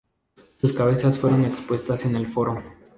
Sus cabezas fueron expuestas en el Foro.